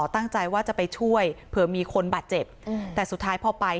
ตั้งใจว่าจะไปช่วยเผื่อมีคนบาดเจ็บแต่สุดท้ายพอไป